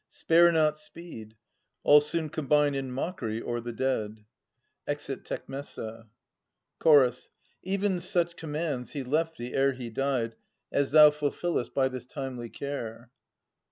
Spare not speed. All soon combine in mockery o'er the dead. [Exit Tecmessa. Ch. Even such commands he left thee ere he died As thou fulfillest by this timely care.